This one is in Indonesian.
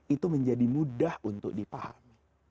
itu menjadi mudah untuk dipahami